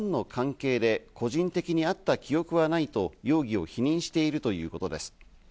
調べに対し、アイドルとファンの関係で、個人的に会った記憶はないと容疑を否認しているということです。